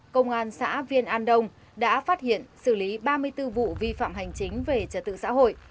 công an xã viên an đông đã phát hiện xử lý ba mươi bốn vụ vi phạm hành chính về trật tự xã hội